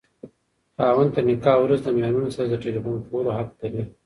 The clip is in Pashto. خاوند تر نکاح وروسته د ميرمني سره د ټيليفون کولو حق لري.